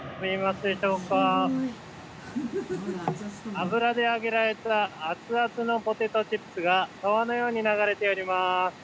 油で揚げられた熱々のポテトチップスが、川のように流れております。